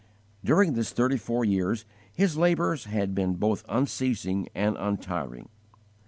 During this thirty four years his labours had been both unceasing and untiring.